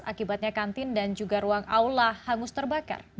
akibatnya kantin dan juga ruang aula hangus terbakar